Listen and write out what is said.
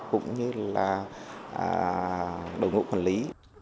cũng như là đồng hộ quản lý